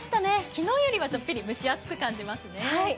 昨日よりはちょっぴり蒸し暑く感じますね。